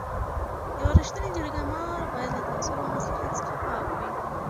یو رښتینی جرګه مار باید له تعصب او مصلحت څخه پاک وي.